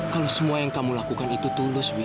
kalau semua yang kamu lakukan itu tulus